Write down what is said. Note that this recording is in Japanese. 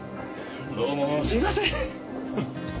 どうもすいません。